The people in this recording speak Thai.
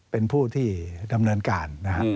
เป็นผู้ที่ดำเนินการนะครับ